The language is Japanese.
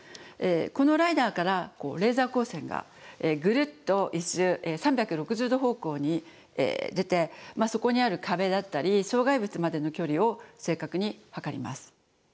このライダーからレーザー光線がグルッと１周３６０度方向に出てそこにある壁だったり障害物までの距離を正確に測ります。